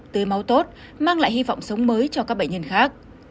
tưới máu tốt mang lại hy vọng sống mới cho các bệnh nhân khác